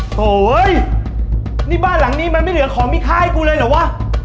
โหยนี่บ้านหลังนี้มันไม่เหลือของมีค่าให้กูเลยเหรอวะ